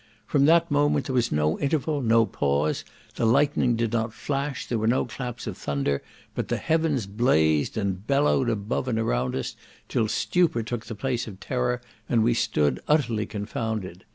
From that moment there was no interval, no pause, the lightning did not flash, there were no claps of thunder, but the heavens blazed and bellowed above and around us, till stupor took the place of terror, and we stood utterly confounded.